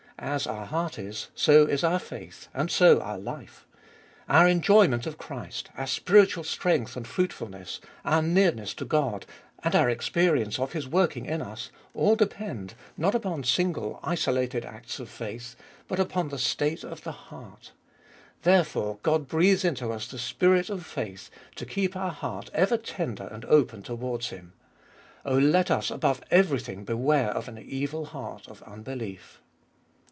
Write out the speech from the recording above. As our heart is, so is our faith, and so our life. Our enjoyment of Christ, our spiritual strength and fruitfulness, our nearness to God, and our experience of His working in us, all depend, not 9 130 Ube 1bolie0t ot BU upon single, isolated acts of faith, but upon the state of the heart. Therefore God breathes into us the Spirit of faith, to keep our heart ever tender and open towards Him. Oh, let us above everything beware of an evil heart of unbelief.